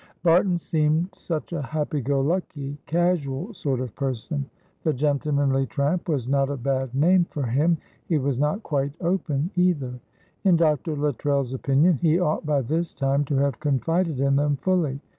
Barton seemed such a happy go lucky, casual sort of person. The gentlemanly tramp was not a bad name for him. He was not quite open, either. In Dr. Luttrell's opinion he ought by this time to have confided in them fully.